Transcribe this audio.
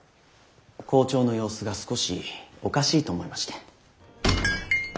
校長の様子が少しおかしいと思いまして。